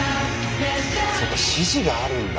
そっか指示があるんだ。